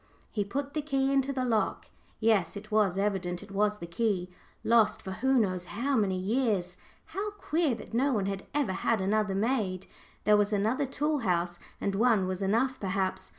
He put the key into the lock. Yes, it was evident it was the key, lost for who knows how many years. How queer that no one had ever had another made; there was another tool house, and one was enough, perhaps.